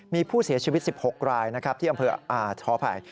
มีผู้เสียชีวิต๑๖รายนะครับที่อำเภอท้อภัย